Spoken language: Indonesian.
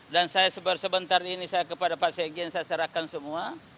dan saya sebentar ini saya kepada pak sejien saya serahkan semua